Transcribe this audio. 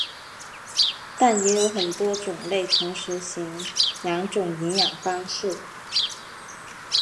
但也有很多种类同时行两种营养方式。